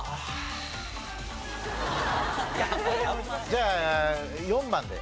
じゃあ４番で。